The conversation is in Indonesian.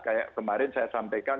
kayak kemarin saya sampaikan